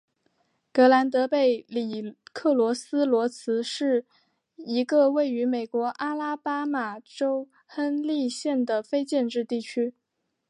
格兰德贝里克罗斯罗兹是一个位于美国阿拉巴马州亨利县的非建制地区。